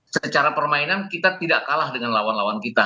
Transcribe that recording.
secara permainan kita tidak kalah dengan lawan lawan kita